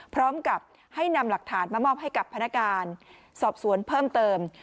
พร้อมกับให้นำหลักฐานมามอบให้กับพนักการสอบสวนเพิ่มเติม